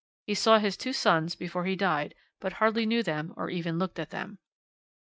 He saw his two sons before he died, but hardly knew them or even looked at them.